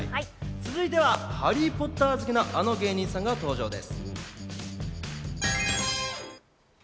続いては『ハリー・ポッター』好きな、あの芸人さんが登場です。